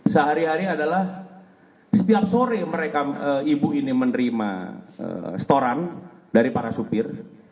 sehari hari adalah setiap sore ibu ini menerima setoran dari para supir